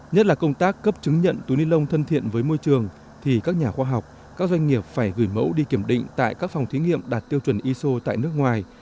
nhất là công tác cấp chứng nhận túi ni lông thân thiện với môi trường thì các nhà khoa học các doanh nghiệp phải gửi mẫu đi kiểm định tại các phòng thí nghiệm đạt tiêu chuẩn iso tại nước ngoài